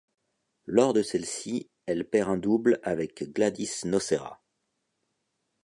Lors de celle-ci, elle perd un double avec Gwladys Nocera.